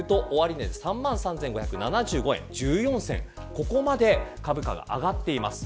ここまで株価が上がっています。